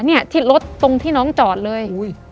เนี่ยที่รถตรงที่น้องจอดเลย